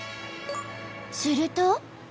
すると。